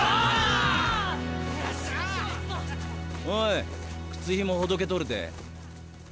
おい靴ひもほどけとるで。